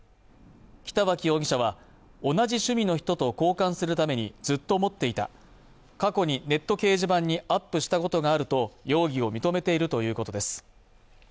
北脇容疑者は同じ趣味の人と交換するためにずっと持っていた過去にネット掲示板にアップしたことがあると容疑を認めているということです